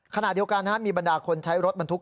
ขณะเดียวกันมีบรรดาคนใช้รถบรรทุก